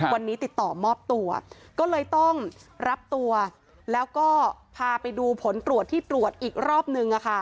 วันนี้ติดต่อมอบตัวก็เลยต้องรับตัวแล้วก็พาไปดูผลตรวจที่ตรวจอีกรอบนึง